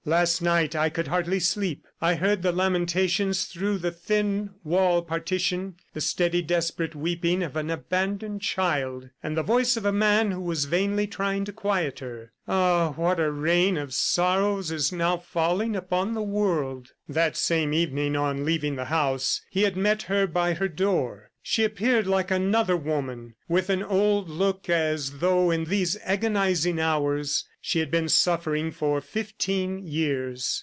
Last night I could hardly sleep. I heard the lamentations through the thin wall partition, the steady, desperate weeping of an abandoned child, and the voice of a man who was vainly trying to quiet her! ... Ah, what a rain of sorrows is now falling upon the world!" That same evening, on leaving the house, he had met her by her door. She appeared like another woman, with an old look as though in these agonizing hours she had been suffering for fifteen years.